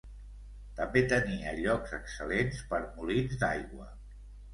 També tenia llocs excel·lents per molins d'aigua.